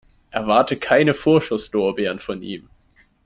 Erwarte keine Vorschusslorbeeren von ihm.